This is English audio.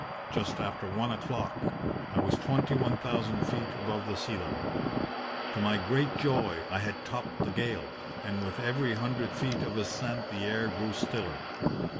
Just after one o'clock I was twenty one thousand feet above the sea level. To my great joy I had topped the gale, and with every hundred feet of ascent the air grew stiller.